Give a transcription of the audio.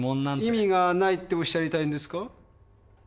意味がないっておっしゃりたいんですか？